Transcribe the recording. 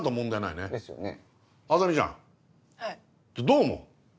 どう思う？